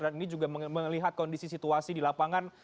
ini juga melihat kondisi situasi di lapangan